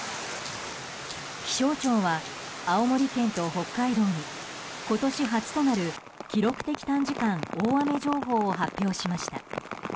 気象庁は青森県と北海道に今年初となる記録的短時間大雨情報を発表しました。